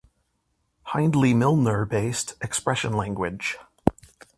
Hindley-Milner based expression language